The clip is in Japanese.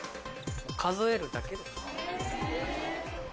数えるだけ。